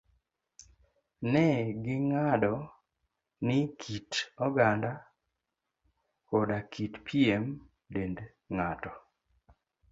Ne ging'ado ni kit oganda koda kit pien dend ng'ato,